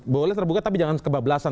boleh terbuka tapi jangan kebablasan